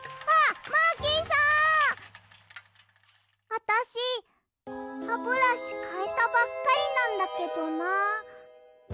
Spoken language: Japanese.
あたしハブラシかえたばっかりなんだけどな。